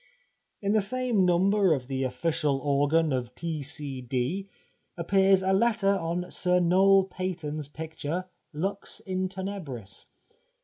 In the same number of the official organ of T.C.D. appears a letter on Sir Noel Paton's picture " Lux in Tenebris."